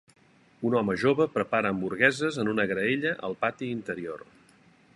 Un home jove prepara hamburgueses en una graella al pati interior